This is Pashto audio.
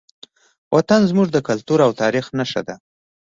وطن زموږ د کلتور او تاریخ نښه ده.